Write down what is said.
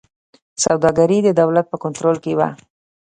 سوداګري د دولت په کنټرول کې وه.